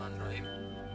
jangan lihat digitalnya